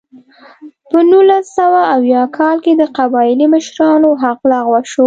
په نولس سوه اویا کال کې د قبایلي مشرانو حق لغوه شو.